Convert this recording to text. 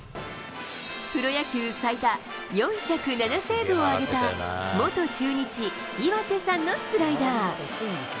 プロ野球最多４０７セーブを挙げた元中日、岩瀬さんのスライダー。